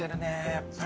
やっぱり。